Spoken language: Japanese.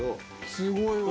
すごいわ！